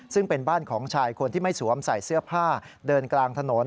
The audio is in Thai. ซึ่งเป็นบ้านของชายคนที่ไม่สวมใส่เสื้อผ้าเดินกลางถนน